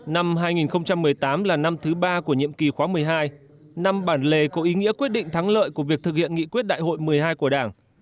năm hai nghìn một mươi tám là năm thứ ba của nhiệm kỳ khóa một mươi hai năm bản lề có ý nghĩa quyết định thắng lợi của việc thực hiện nghị quyết đại hội một mươi hai của đảng